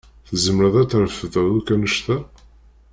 Tzemreḍ ad trefdeḍ akk annect-a?